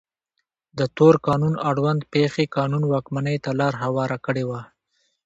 د تور قانون اړوند پېښې قانون واکمنۍ ته لار هواره کړې وه.